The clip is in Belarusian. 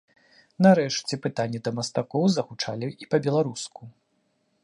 Нарэшце пытанні да мастакоў загучалі і па-беларуску.